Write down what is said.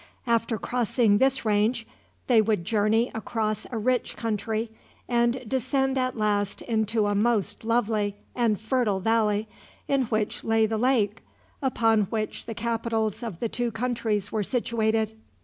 After crossing this range they would journey across a rich country, and descend at last into a most lovely and fertile valley, in which lay the lake, upon which the capitals of the two countries were situated.